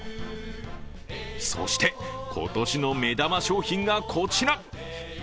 そして、今年の目玉商品がこちら。